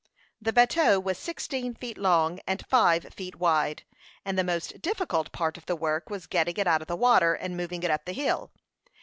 The bateau was sixteen feet long and five feet wide, and the most difficult part of the work was getting it out of the water, and moving it up the hill.